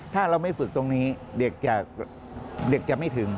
ถ้าเราไม่ฝึกตรงนี้เด็กจะไม่ถึง